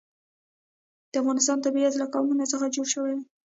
د افغانستان طبیعت له قومونه څخه جوړ شوی دی.